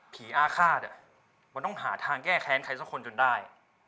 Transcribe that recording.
อาฆาตมันต้องหาทางแก้แค้นใครสักคนจนได้